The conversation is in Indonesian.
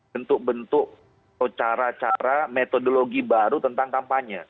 bentuk bentuk atau cara cara metodologi baru tentang kampanye